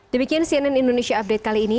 demikian cnn indonesia update kali ini